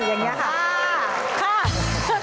อย่างนี้ค่ะ